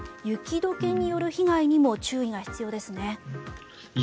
雪解けによる被害にも注意が必要ですね。